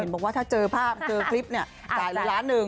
บอกว่าถ้าเจอภาพเจอคลิปเนี่ยจ่ายเลยล้านหนึ่ง